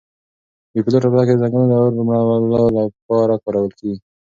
بې پیلوټه الوتکې د ځنګلونو د اور مړولو لپاره کارول کیږي.